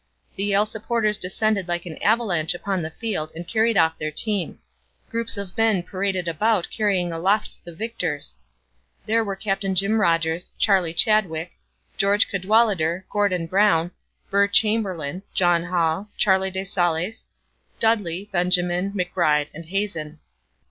The Yale supporters descended like an avalanche upon the field and carried off their team. Groups of men paraded about carrying aloft the victors. There were Captain Jim Rodgers, Charlie Chadwick, George Cadwalader, Gordon Brown, Burr Chamberlain, John Hall, Charlie de Saulles, Dudley, Benjamin, McBride, and Hazen.